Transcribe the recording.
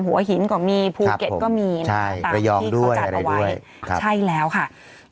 หัวหินก็มีภูเก็ตก็มีตามที่เขาจัดเอาไว้ใช่แล้วค่ะระยองด้วยอะไรด้วย